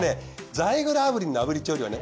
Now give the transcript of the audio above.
ザイグル炙輪の炙り調理はね